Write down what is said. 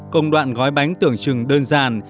công đoạn gói bánh tưởng chừng đơn giản